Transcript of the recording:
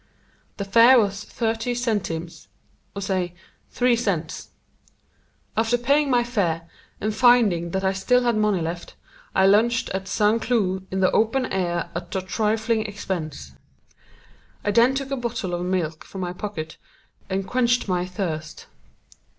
The fare was thirty centimes or, say, three cents. After paying my fare and finding that I still had money left, I lunched at St. Cloud in the open air at a trifling expense. I then took a bottle of milk from my pocket and quenched my thirst.